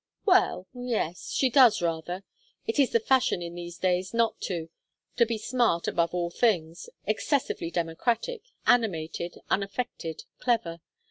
"Well yes she does rather. It is the fashion in these days not to to be smart above all things, excessively democratic, animated, unaffected, clever.